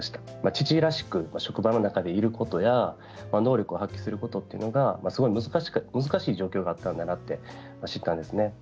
父らしく職場の中でいることや能力を発揮することというのがすごく難しい状況だったんだなって知ったんです。